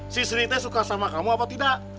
si sri teh suka sama kamu apa tidak